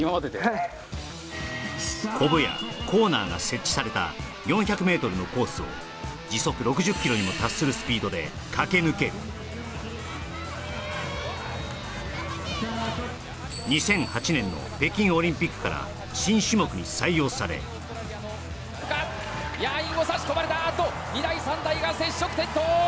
はいコブやコーナーが設置された４００ｍのコースを時速６０キロにも達するスピードで駆け抜ける２００８年の北京オリンピックから新種目に採用されさしこまれたあっと２台３台が接触転倒！